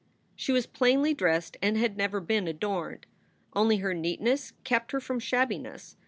She was plainly dressed and had never been adorned. Only her neatness kept her from shabbiness.